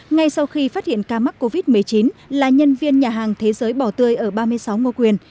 ngay sau khi phát hiện ca mắc covid một mươi chín là nhân viên nhà hàng thế giới bỏ tươi ở ba mươi sáu ngô quyền